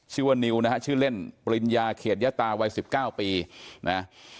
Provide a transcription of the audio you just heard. ชื่อว่านิวนะฮะชื่อเล่นปริญญาเขตยะตาวัย๑๙ปีนะ